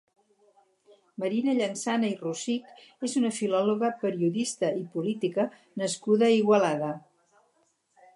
Marina Llansana i Rosich és una filòloga, periodista i política nascuda a Igualada.